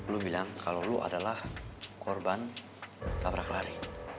lu bilang kalau lo adalah korban tabrak lari